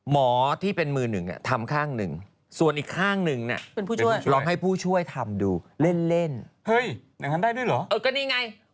ม้อที่เป็นมือหนึ่งทำข้างนึง